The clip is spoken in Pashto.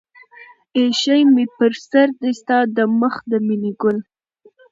اىښى مې پر سر دى ستا د مخ د مينې گل